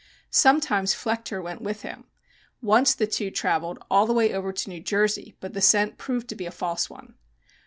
Sometimes Flechter went with him. Once, the two travelled all the way over to New Jersey, but the scent proved to be a false one.